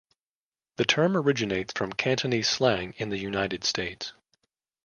The term originates from Cantonese slang in the United States.